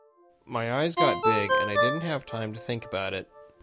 My eyes got big, and I didn't have time to think about it.